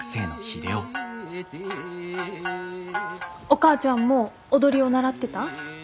お母ちゃんも踊りを習ってた？